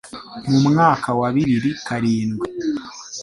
mu mwaka wa bibiri karindwi